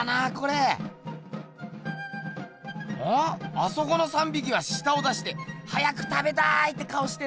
あそこの３びきはしたを出して「早く食べたい」って顔してんな。